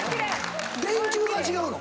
電球が違うの？